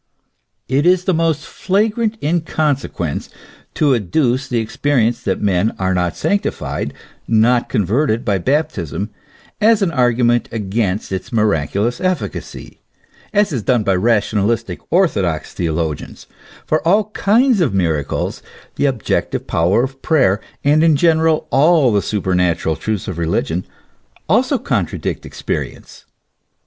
It is the most flagrant inconsequence to adduce the expe rience that men are not sanctified, not converted by baptism, as an argument against its miraculous efficacy, as is done by rationalistic orthodox theologians ;J for all kinds of miracles, the objective power of prayer, and in general all the superna tural truths of religion, also contradict experience.